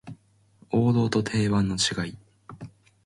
王道と定番の違い